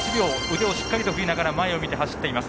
腕をしっかり振りながら前を見て走っています。